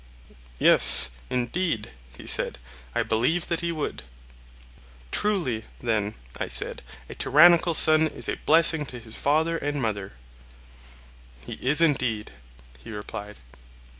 Yes, indeed, he said; I believe that he would. Truly, then, I said, a tyrannical son is a blessing to his father and mother. He is indeed, he replied.